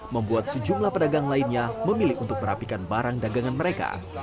membuat sejumlah pedagang lainnya memilih untuk merapikan barang dagangan mereka